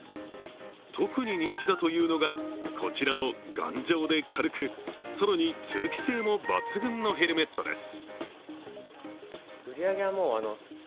特に人気だというのが、こちらの頑丈で軽く更に通気性も抜群のヘルメットです。